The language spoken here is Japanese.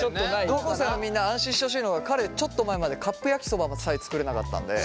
高校生のみんな安心してほしいのは彼ちょっと前までカップ焼きそばさえ作れなかったんで。